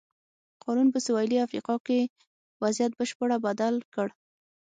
قانون په سوېلي افریقا کې وضعیت بشپړه بدل کړ.